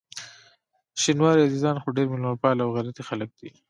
شینواري عزیزان خو ډېر میلمه پال او غیرتي خلک دي.